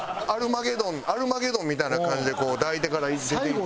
『アルマゲドン』みたいな感じでこう抱いてから出て行ってる。